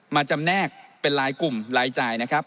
จำแนกเป็นรายกลุ่มรายจ่ายนะครับ